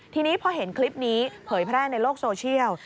ทีนี้พอเห็นคลิปนี้เผยแพร่ในโลกโซเชียล